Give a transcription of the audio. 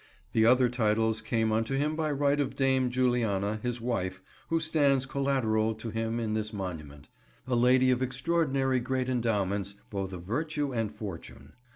The other titles came unto him by right of Dame Juliana, his wife, who stands collaterall to him in this monument, a lady of extraordinary great endowments, both of vertue and fortune.